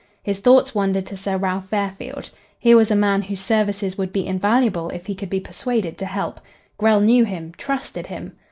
His thoughts wandered to Sir Ralph Fairfield. Here was a man whose services would be invaluable if he could be persuaded to help. Grell knew him; trusted him.